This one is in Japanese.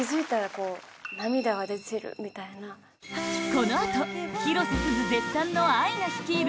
このあと、広瀬すず絶賛のアイナ率いる